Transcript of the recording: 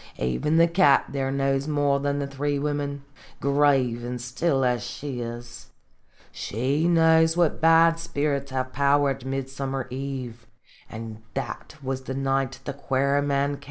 " Even the cat there knows more than the three women ; grave an' still as she is, she knows what bad spirits have power at Mid summer Eve, an' that was the night the quare man kem.